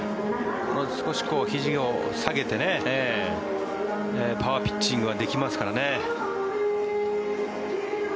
少しひじを下げてパワーピッチングができますからね。